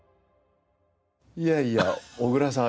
いやいや小倉さん